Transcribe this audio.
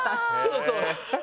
そうそう。